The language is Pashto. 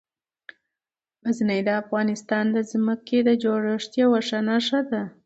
غزني د افغانستان د ځمکې د جوړښت یوه ښه نښه ده.